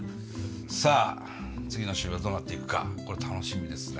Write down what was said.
さあ次の週はどうなっていくかこれ楽しみですね。